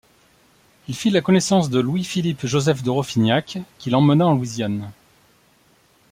Il fit la connaissance de Louis Philippe Joseph de Roffignac qui l'emmena en Louisiane.